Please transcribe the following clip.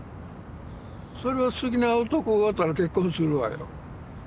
それは好きな男がおったら結婚するわよ